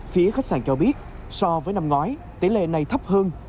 phía khách sạn cho biết so với năm ngoái tỷ lệ này thấp hơn